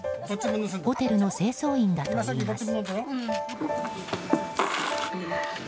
ホテルの清掃員だといいます。